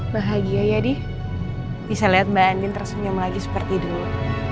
bahagia ya di bisa lihat mbak andien terus nyam lagi seperti dulu